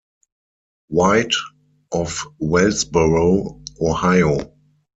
White, of Wellsboro, Ohio.